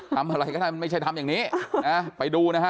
ทำอะไรก็ได้มันไม่ใช่ทำอย่างนี้นะไปดูนะฮะ